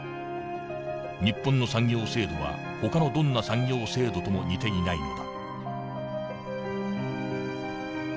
日本の産業制度はほかのどんな産業制度とも似ていないのだ」。